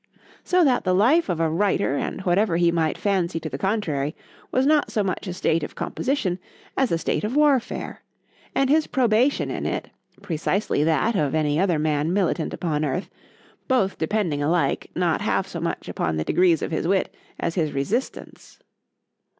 —So that the life of a writer, whatever he might fancy to the contrary, was not so much a state of composition, as a state of warfare; and his probation in it, precisely that of any other man militant upon earth,—both depending alike, not half so much upon the degrees of his wit—as his RESISTANCE.